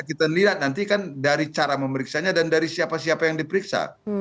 kita lihat nanti kan dari cara memeriksanya dan dari siapa siapa yang diperiksa